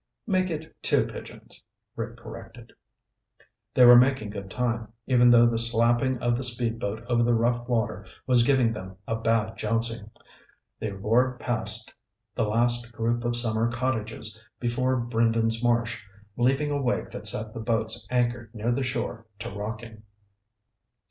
"Make it two pigeons," Rick corrected. They were making good time, even though the slapping of the speedboat over the rough water was giving them a bad jouncing. They roared past the last group of summer cottages before Brendan's Marsh, leaving a wake that set the boats anchored near the shore to rocking.